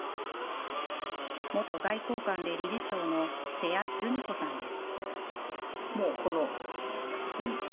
元外交官で理事長の瀬谷ルミ子さんです。